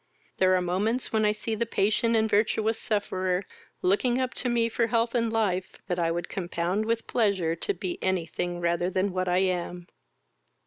There are moments when I see the patient and virtuous sufferer looking up to me for health and life, that I would compound with pleasure to be any thing rather than what I am."